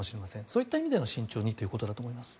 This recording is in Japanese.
そういった意味での慎重にということだと思います。